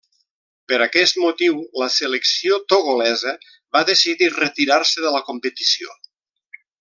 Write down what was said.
Per aquest motiu la selecció togolesa va decidir retirar-se de la competició.